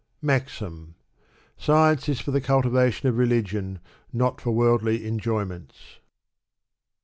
MAXIM. Science is for the cultivation of religion, not for worldly enjoyments.